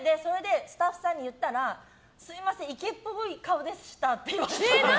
スタッフさんに言ったらすみません「池」っぽい顔でしたって。